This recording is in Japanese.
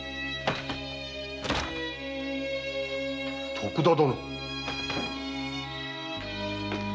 徳田殿！